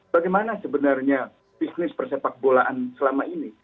bagaimana sebenarnya bisnis persepak bolaan selama ini